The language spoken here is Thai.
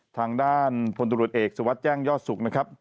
ทางด้านพลตรวจเอกสุวัตรแจ้งยอดสุข